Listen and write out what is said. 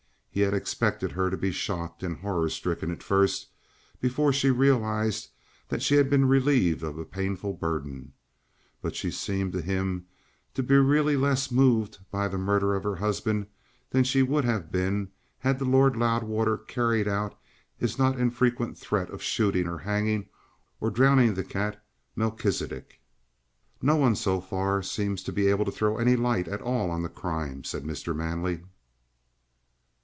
He had expected her to be shocked and horror stricken at first, before she realized that she had been relieved of a painful burden. But she seemed to him to be really less moved by the murder of her husband than she would have been, had the Lord Loudwater carried out his not infrequent threat of shooting, or hanging, or drowning the cat Melchisidec. "No one so far seems to be able to throw any light at all on the crime," said Mr. Manley.